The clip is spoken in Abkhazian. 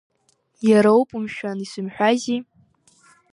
Иароуп, мшәан, исымҳәази!